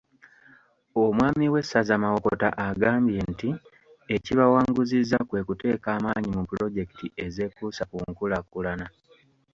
Omwami w'essaza Mawokota agambye nti ekibawanguzizza kwe kuteeka amaanyi mu pulojekiti ezeekuusa ku nkulaakulana.